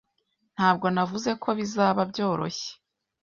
Ntabwo navuze ko bizaba byoroshye.